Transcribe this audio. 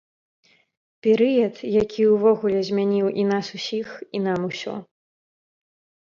Перыяд, які ўвогуле змяніў і нас усіх, і нам усё.